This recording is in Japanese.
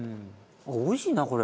美味しいなこれ。